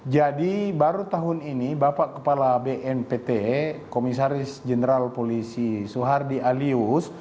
jadi baru tahun ini bapak kepala bnpt komisaris jenderal polisi soehardi alius